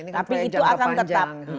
tapi itu akan tetap